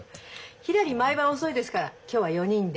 ひらり毎晩遅いですから今日は４人で。